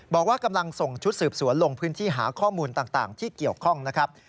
บอกว่ากำลังส่งชุดสืบสวนลงพื้นที่หาข้อมูลต่างที่เกี่ยวข้องนะครับ